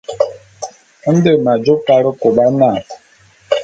Nde m'ajô Karekôba na.